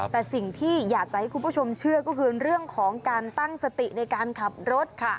แต่สิ่งที่อยากจะให้คุณผู้ชมเชื่อก็คือเรื่องของการตั้งสติในการขับรถค่ะ